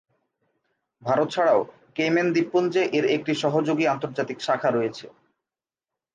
ভারত ছাড়াও কেইম্যান দ্বীপপুঞ্জে এর একটি সহযোগী আন্তর্জাতিক শাখা রয়েছে।